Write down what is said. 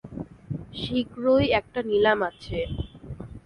শীঘ্রই একটা নিলাম আছে।